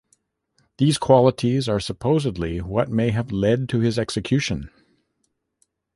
These qualities are supposedly what may have led to his execution.